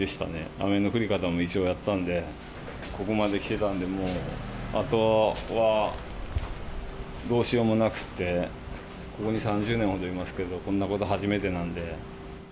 雨の降り方も異常やったんで、ここまで来てたんで、もう、あとはどうしようもなくて、ここに３０年ほどいますけど、こんなこと初めてなんで。